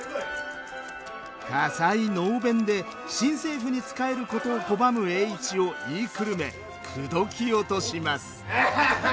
で新政府に仕えることを拒む栄一を言いくるめ口説き落とします。